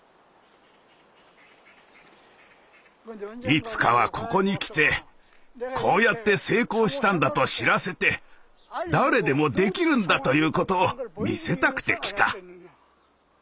いつかはここに来てこうやって成功したんだと知らせて誰でもできるんだということを見せたくて来た。